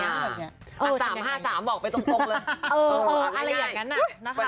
อัน๓๕๓บอกไปตรงตรงเลยเออเอออะไรอย่างนั้นน่ะนะคะ